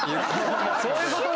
そういうことね！